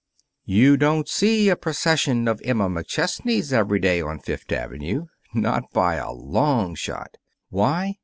You don't see a procession of Emma McChesneys every day on Fifth Avenue not by a long shot! Why?